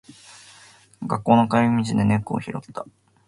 学校の帰り道で猫を拾った。